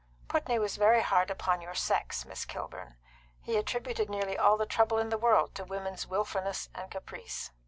Putney was very hard upon your sex, Miss Kilburn. He attributed nearly all the trouble in the world to women's wilfulness and caprice."